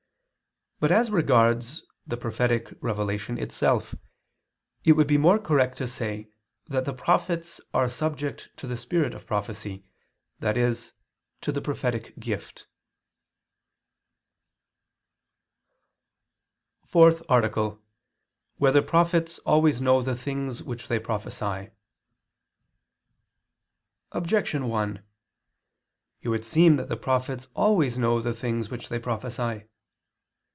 But as regards the prophetic revelation itself, it would be more correct to say that the prophets are subject to the spirit of prophecy, i.e. to the prophetic gift. _______________________ FOURTH ARTICLE [II II, Q. 173, Art. 4] Whether Prophets Always Know the Things Which They Prophesy? Objection 1: It would seem that the prophets always know the things which they prophesy.